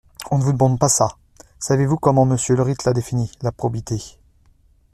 on ne vous demande pas ça … savez-vous comment Monsieur Ulric la définit, la probité !